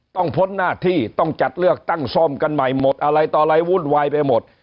พ้นหน้าที่ต้องจัดเลือกตั้งซ่อมกันใหม่หมดอะไรต่ออะไรวุ่นวายไปหมด